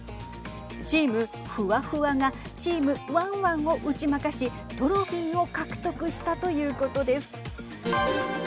チームフワフワがチームワンワンを打ち負かしトロフィーを獲得したということです。